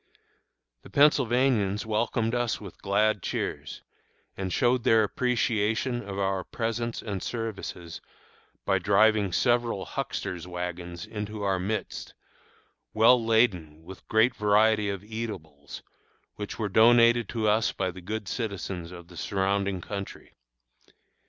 The Pennsylvanians welcomed us with glad cheers, and showed their appreciation of our presence and services by driving several "huckster's wagons" into our midst, well laden with a great variety of eatables, which were donated to us by the good citizens of the surrounding country.